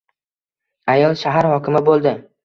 ayol shahar hokimi bo‘ldi.